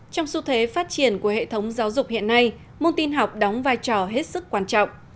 trong xu thế phát triển của hệ thống giáo dục hiện nay môn tin học đóng vai trò hết sức quan trọng